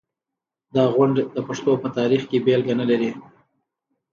دا غونډ د پښتو په تاریخ کې بېلګه نلري.